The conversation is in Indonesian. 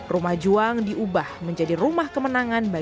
rumah juang diubah menjadi rumah kemenangan